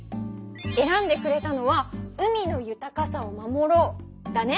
えらんでくれたのは「海の豊かさを守ろう」だね！